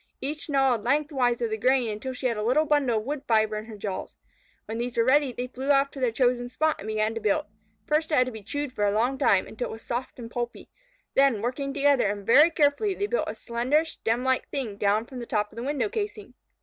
Each gnawed length wise of the grain until she had a little bundle of wood fibre in her jaws. When these were ready, they flew off to their chosen spot and began to build. First it had to be chewed for a long time, until it was soft and pulpy, then, working together and very carefully, they built a slender, stemlike thing down from the top of the window casing.